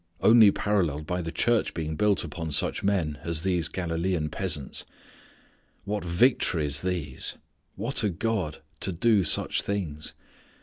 Only paralleled by the church being built upon such men as these Galilean peasants! What victories these! What a God to do such things!